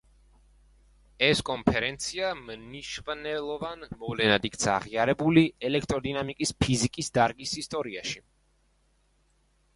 ეს კონფერენცია მნიშვნელოვან მოვლენად იქნა აღიარებული ელექტროდინამიკის ფიზიკის დარგის ისტორიაში.